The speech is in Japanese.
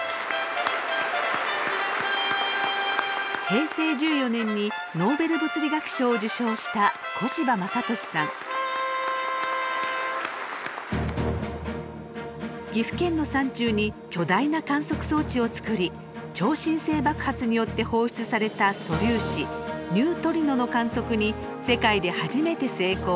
平成１４年にノーベル物理学賞を受賞した岐阜県の山中に巨大な観測装置を作り超新星爆発によって放出された素粒子ニュートリノの観測に世界で初めて成功。